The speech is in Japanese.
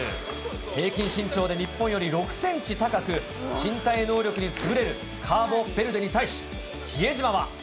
平均身長で日本より６センチ高く、身体能力に優れるカーボベルデに対し、比江島は。